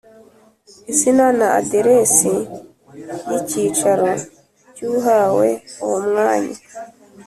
Izina na aderesi y icyicaro cy uwahawe uwo mwanya